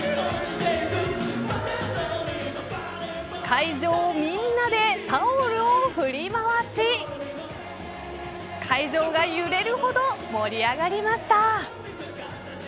会場みんなでタオルを振り回し会場が揺れるほど盛り上がりました。